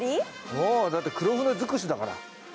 もうだって黒船づくしだから。